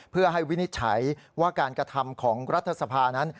เพื่อให้วินิจฉัยว่าการกระทำของรัฐสภานั้น